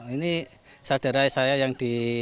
ini sadarai saya yang di